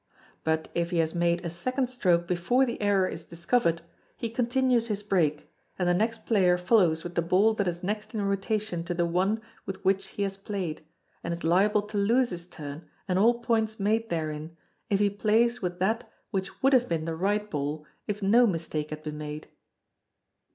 But if he has made a second stroke before the error is discovered, he continues his break, and the next player follows with the ball that is next in rotation to the one with which he has played, and is liable to lose his turn, and all points made therein, if he plays with that which would have been the right ball if no mistake had been made.